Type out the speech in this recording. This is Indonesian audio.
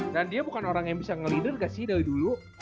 dan dia bukan orang yang bisa nge leader gak sih dari dulu